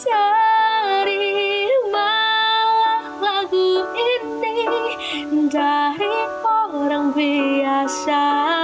carilah lagu ini dari orang biasa